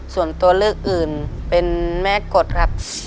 ส่วนตัวเลือกอื่นเป็นแม่กดครับ